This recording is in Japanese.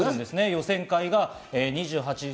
予選会が２８位。